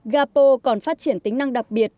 gapo còn phát triển tính năng đặc biệt